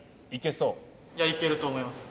いやいけると思います。